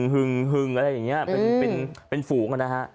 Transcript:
หึงอะไรอย่างนี้เป็นฝูงนะฮะ